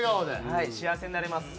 はい幸せになれます。